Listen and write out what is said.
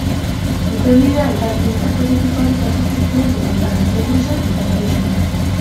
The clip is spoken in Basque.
Zuzenbidea eta Zientzia Politikoak ikasi zituen Bogotan, Londresen eta Parisen.